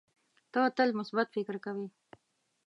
ته تل مثبت فکر کوې.